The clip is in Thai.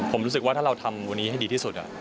ผมรู้สึกว่าถ้าเราทำวันนี้ให้ดีที่สุด